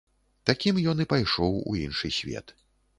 Такім ён і пайшоў у іншы свет.